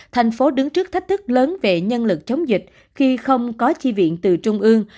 thành phố đứng trước thách thức lớn về nhân lực chống dịch khi không có chi viện từ trung ương